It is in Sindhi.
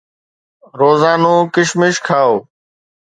روزانو ڪشمش کائو